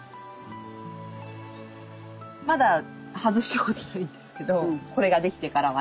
まだ外したことないんですけどこれができてからはね。